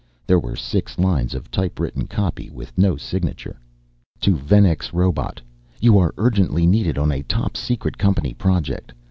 There were six lines of typewritten copy with no signature. _To Venex Robot: You are urgently needed on a top secret company project.